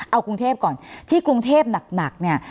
เอากรุงเทพก่อนที่กรุงเทพหนักเนี่ย